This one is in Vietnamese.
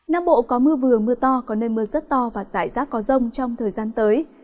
nam bộ có mưa vừa mưa to có nơi mưa rất to và giải rác có rông trong thời gian tới